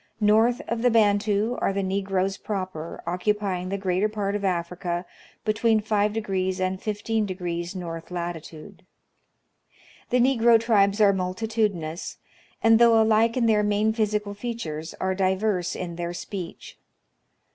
North of the Bantu are the Negroes proper, occupying the greater part of Africa between 5° and 15° north latitude. The negro tribes are multi tudinous, and, though alike in their main physical features, are diverse in their speech.